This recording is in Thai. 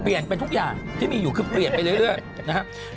ทุกอย่างที่มีอยู่คือเปลี่ยนไปเรื่อยนะครับ